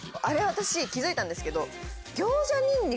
あれ私気付いたんですけど。